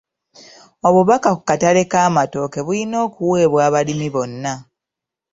Obubaka ku katale k'amatooke bulina okuweebwa abalimi bonna.